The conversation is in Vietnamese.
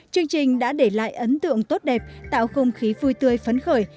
chương trình đã để lại ấn tượng tốt đẹp tạo không khí vui tươi phấn khởi